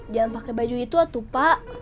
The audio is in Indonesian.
jangan pake baju itu atuh pak